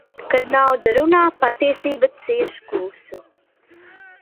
Kad nauda runā, patiesība cieš klusu.